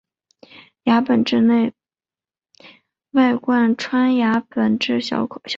牙本质内外贯穿牙本质小管。